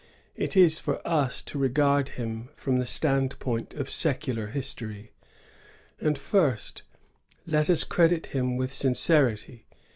It is for us to regard him from the stand point of secular histoiy. And, first, let us credit him with sincerity.